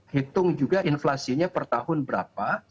hitung juga inflasinya per tahun berapa